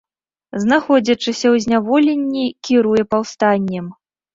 Знаходзячыся ў зняволенні, кіруе паўстаннем.